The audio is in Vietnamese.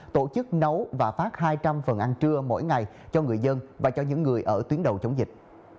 tổ chức nấu và phát hai trăm linh phần ăn trưa mỗi ngày cho người dân và cho những người ở tuyến đầu chống dịch